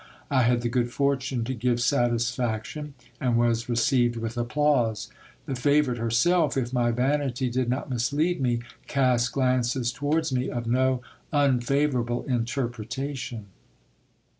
I had the good fortune to give satisfaction, and was received with applause. The favourite herself, if my vanity did not mislead me, cast glances towards me of no unfavourable interpretation.